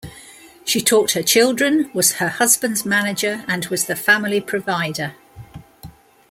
She taught her children, was her husband's manager, and was the family provider.